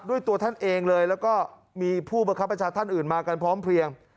ตัวท่านเองเลยแล้วก็มีผู้บังคับประชาท่านอื่นมากันพร้อมเพลียง